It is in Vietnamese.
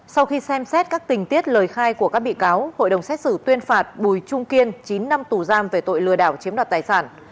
sau khi xem xét các tình tiết lời khai của các bị cáo hội đồng xét xử tuyên phạt bùi trung kiên chín năm tù giam về tội lừa đảo chiếm đoạt tài sản